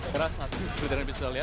terasa sekedar bisa liasa